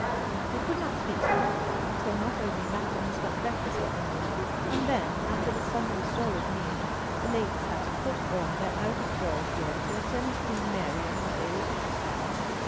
They could not speak to one another till not only matins but breakfast were ended, and then—after the somewhat solid meal—the ladies had to put on their out of door gear to attend Queen Mary in her daily exercise.